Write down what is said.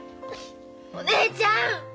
お姉ちゃん！